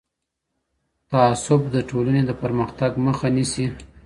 تعصب د ټولنې د پرمختګ مخه نیسي.